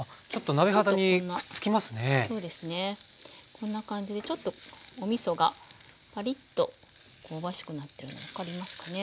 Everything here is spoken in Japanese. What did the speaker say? こんな感じでちょっとおみそがパリッと香ばしくなってるの分かりますかね？